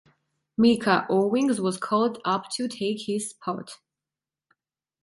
Micah Owings was called up to take his spot.